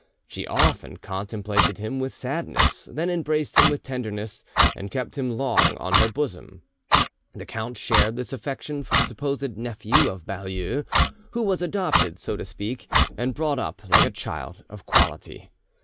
She often contemplated him with sadness, then embraced him with tenderness, and kept him long on her bosom. The count shared this affection for the supposed nephew of Baulieu, who was adopted, so to speak, and brought up like a child of quality.